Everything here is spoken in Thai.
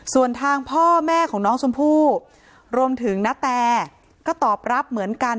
ส่วนทางพ่อแม่ของน้องชมพู่รวมถึงณแตก็ตอบรับเหมือนกัน